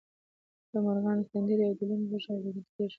د مرغانو سندرې او د لوون غږونه اوریدل کیږي